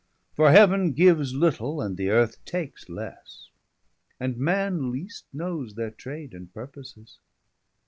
For heaven gives little, and the earth takes lesse, And man least knowes their trade and purposes.